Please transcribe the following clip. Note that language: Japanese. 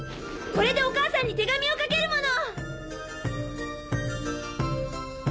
これでお母さんに手紙を書けるもの！